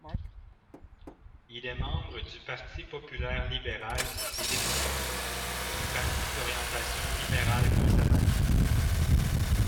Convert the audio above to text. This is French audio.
Il est membre du Parti populaire libéral et démocrate, un parti d'orientation libérale-conservatrice.